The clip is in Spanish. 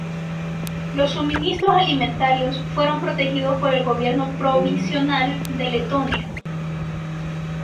Los suministros alimentarios fueron protegidos por el gobierno provisional de Letonia.